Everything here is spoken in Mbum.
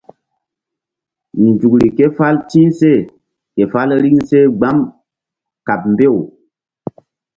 Nzukri ké fál ti̧h seh ke fál riŋ seh gbam kaɓ mbew.